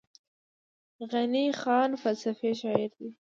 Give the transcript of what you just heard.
غني خان فلسفي شاعر دی.